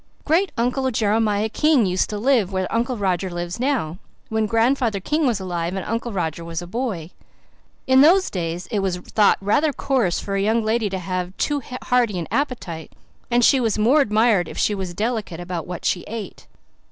"Great uncle Jeremiah King used to live where Uncle Roger lives now, when Grandfather King was alive and Uncle Roger was a boy. In those days it was thought rather coarse for a young lady to have too hearty an appetite, and she was more admired if she was delicate about what she ate.